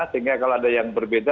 sehingga kalau ada yang berbeda